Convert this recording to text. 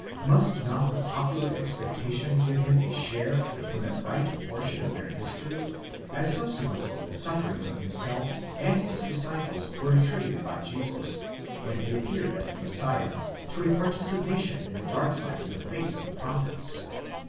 Must not the popular expectation give him a share in the bright portion of their history, as subsequently the sufferings of himself and his disciples were attributed by Jesus, when he appeared as the Messiah, to a participation in the dark side of the fate of the prophets.